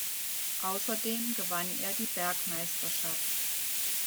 Ausserdem gewann er die Bergmeisterschaft.